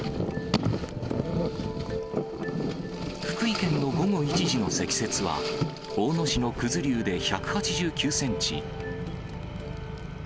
福井県の午後１時の積雪は、大野市の九頭竜で１８９センチ。